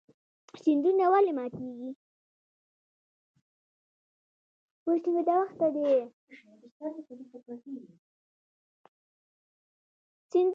سیندونه ولې ماتیږي؟